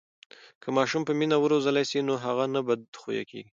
که ماشوم په مینه و روزل سي نو هغه نه بدخویه کېږي.